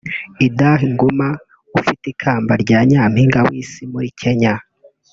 Idah Nguma ufite ikamba rya Nyampinga w’Isi muri Kenya